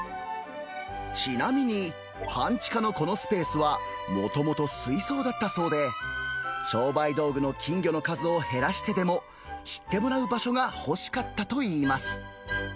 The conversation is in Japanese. ちなみに半地下のこのスペースはもともと水槽だったそうで、商売道具の金魚の数を減らしてでも、知ってもらう場所が欲しかったといいます。